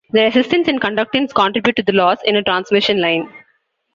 The resistance and conductance contribute to the loss in a transmission line.